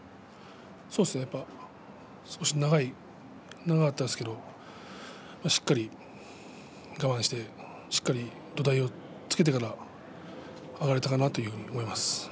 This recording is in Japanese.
そうですね、やっぱり少し長かったんですけれどしっかり我慢してしっかり土台をつけてから上がれたかなと思います。